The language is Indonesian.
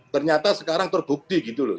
ternyata sekarang terbukti gitu loh